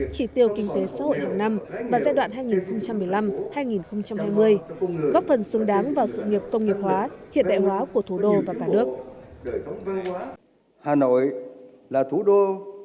trị tiêu kinh tế xã hội hàng năm và giai đoạn hai nghìn một mươi năm hai nghìn hai mươi